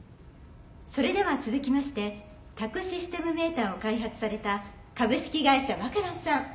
それでは続きまして宅・システム・メーターを開発された株式会社ワカランさんどうぞ。